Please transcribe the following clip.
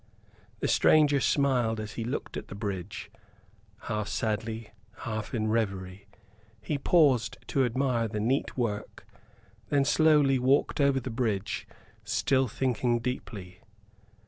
The stranger smiled as he looked at the bridge, half sadly, half in reverie. He paused to admire the neat work; then slowly walked over the bridge still thinking deeply.